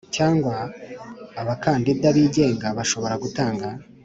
cyangwa abakandida bigenga bashobora gutanga